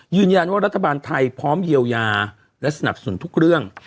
ยืนยันว่ารัฐบาลไทยพร้อมเยียวยาและสนับสนุนทุกเรื่อง